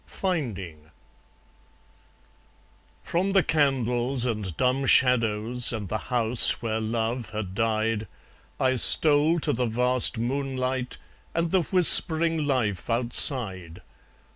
Finding From the candles and dumb shadows, And the house where love had died, I stole to the vast moonlight And the whispering life outside.